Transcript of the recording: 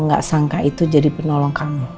gak sangka itu jadi penolong kamu